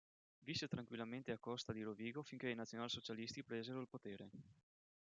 Visse tranquillamente a Costa di Rovigo finché i nazionalsocialisti presero il potere.